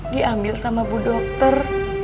diambil sama bu dokter